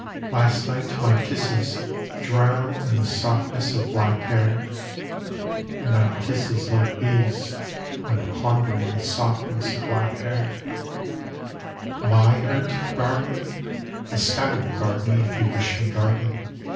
— Last night my kisses drowned in the softness of black hair. And my kisses like bees went plundering the softness of black hair. 15 BLACK HAIR >» My hurt, darling ? The sky will guard me if you wish me guarded.